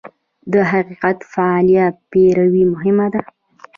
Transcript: د حقیقت فعاله پیروي مهمه ده.